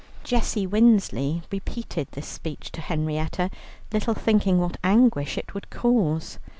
Jessie Winsley repeated this speech to Henrietta, little thinking what anguish it would cause.